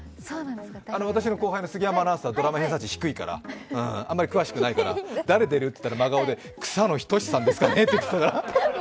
私の後輩の杉山アナウンサー、ドラマ偏差値低いから、あんまり詳しくないから、誰出る？と言ったら真顔で、草野仁さんですかねって言ってたから。